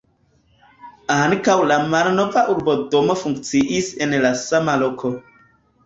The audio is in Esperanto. Ankaŭ la malnova urbodomo funkciis en la sama loko.